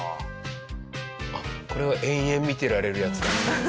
あっこれは延々見てられるやつだ。